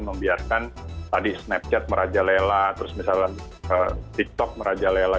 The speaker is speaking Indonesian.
membiarkan tadi snapchat merajalela terus misalnya tiktok merajalela